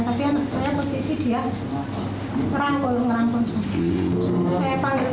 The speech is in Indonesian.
tapi anak saya posisi dia ngerangkul ngerangkul